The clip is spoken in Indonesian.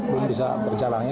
belum bisa berjalan ya